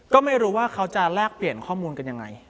ก็ไม่รู้ว่าเขาจะแลกเปลี่ยนข้อมูลกันยังไง